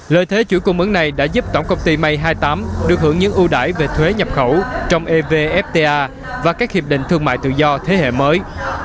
lợi thế chuỗi cung ứng này đã giúp tổng công ty may hai mươi tám được hưởng những ưu đải về thuế nhập khẩu trong evfta và các hiệp định thương mại tự do thế hệ mới